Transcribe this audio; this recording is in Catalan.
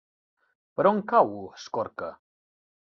Per on cau Escorca?